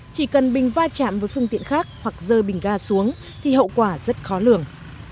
chỉ cần bình va chạm với phương tiện khác hoặc dơ bình ga xuống thì hậu quả rất khó lường